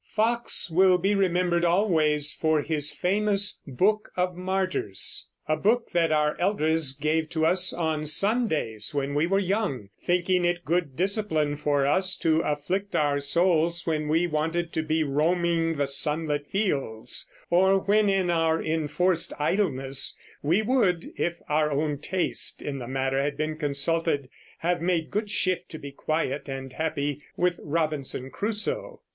Foxe will be remembered always for his famous Book of Martyrs, a book that our elders gave to us on Sundays when we were young, thinking it good discipline for us to afflict our souls when we wanted to be roaming the sunlit fields, or when in our enforced idleness we would, if our own taste in the matter had been consulted, have made good shift to be quiet and happy with Robinson Crusoe.